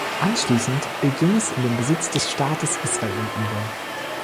Anschließend ging es in den Besitz des Staates Israel über.